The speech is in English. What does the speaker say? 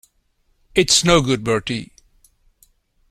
It's no good, Bertie.